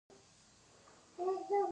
دا د اهدافو د لاسته راوړلو لپاره دی.